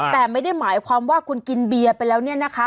แต่ไม่ได้หมายความว่าคุณกินเบียร์ไปแล้วเนี่ยนะคะ